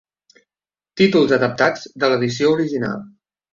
Títols adaptats de l'edició original.